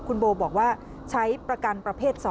คุณโบบอกว่าใช้ประกันประเภท๒